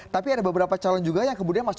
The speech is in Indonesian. tapi ada beberapa calon juga yang kemudian masuk